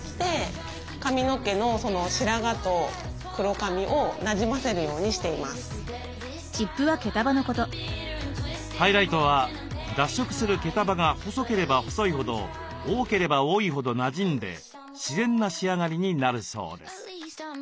髪を縫うようにしていくテクニックなんですけどハイライトは脱色する毛束が細ければ細いほど多ければ多いほどなじんで自然な仕上がりになるそうです。